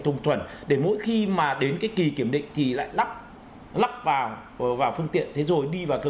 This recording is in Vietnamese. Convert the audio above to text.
thùng thuần để mỗi khi mà đến cái kỳ kiểm định thì lại lắp lắp vào vào phương tiện thế rồi đi vào cơ